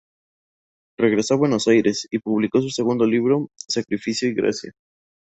Regresó a Buenos Aires y publicó su segundo libro "Sacrificio y Gracia".